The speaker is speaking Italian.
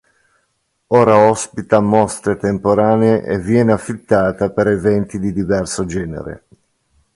Ora ospita mostre temporanee e viene affittata per eventi di diverso genere.